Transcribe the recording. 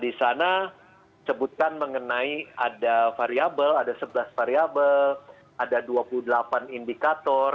di sana sebutkan mengenai ada variable ada sebelas variable ada dua puluh delapan indikator